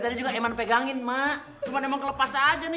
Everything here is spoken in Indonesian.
tadi juga emang pegangin ma'am